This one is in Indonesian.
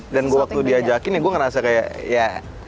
dan waktu diajakin ya gue ngerasa kayak ya